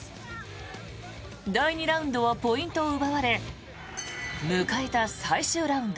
第２ラウンドはポイントを奪われ迎えた最終ラウンド。